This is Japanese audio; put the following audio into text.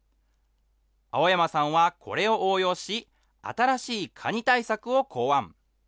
青山さんはこれを応用し、新しいカニ対策を考案。